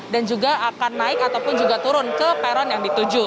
dan juga akan naik ataupun juga turun ke peron yang dituju